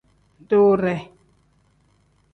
Diwiire.